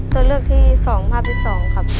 ตัวเลือกที่๒ภาพที่๒ครับ